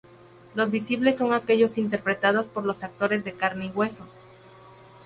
Los visibles son aquellos interpretados por los actores de carne y hueso.